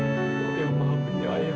tuhan yang maha penyayang